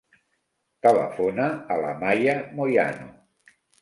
Telefona a l'Amaya Moyano.